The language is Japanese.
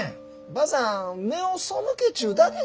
ばあさん目をそむけちゅうだけじゃ。